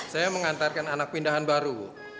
saya mengantarkan anak pindahan baru